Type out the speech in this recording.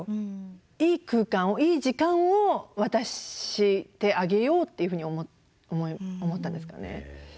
いい空間をいい時間を渡してあげようっていうふうに思ったんですかね。